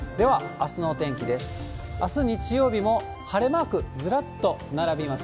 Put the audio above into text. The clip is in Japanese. あす日曜日も晴れマークずらっと並びます。